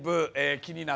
気になる。